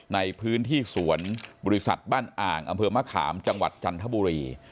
ในพื้นที่สวนบริษัทบ้านอ่างอำเภอมะขามจังหวัดจันทบุรี